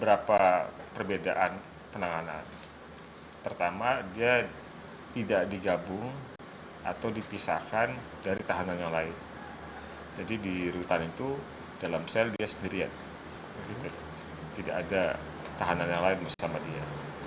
ada tahanan yang lain bersama dia